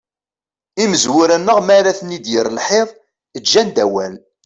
Imezwura-nneɣ mara ten-id-yerr lḥiḍ, ǧǧan-d awal.